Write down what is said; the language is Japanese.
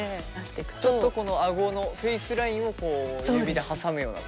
ちょっとこのあごのフェイスラインをこう指で挟むような形で。